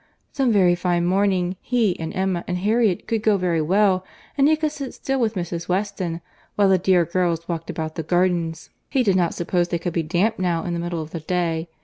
"Some very fine morning, he, and Emma, and Harriet, could go very well; and he could sit still with Mrs. Weston, while the dear girls walked about the gardens. He did not suppose they could be damp now, in the middle of the day.